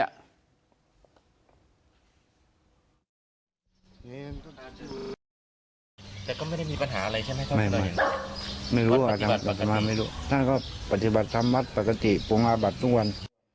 แต่ก็ไม่ได้มีปัญหาอะไรใช่ไหมไม่รู้ว่าจะมาไม่รู้ถ้าก็ปฏิบัติธรรมวัดปฏิบัติปรงอาบัดทุกวัน